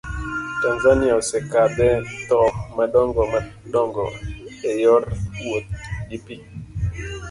Tanzania osekadhe thoo madongo dongo eyor wouth gi pii.